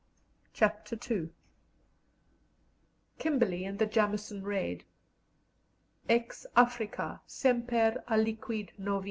CHAPTER II KIMBERLEY AND THE JAMESON RAID "Ex Africa semper aliquid novi."